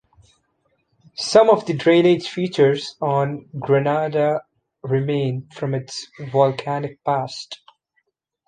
Some of the drainage features on Grenada remain from its volcanic past.